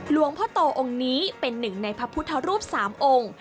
หลวงพ่อโตองค์นี้เป็นหนึ่งในพระพุทธรูป๓องค์